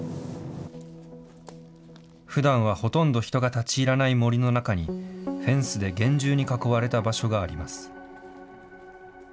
ふだんはほとんど人が立ち入らない森の中に、フェンスで厳重に囲われた場所があります。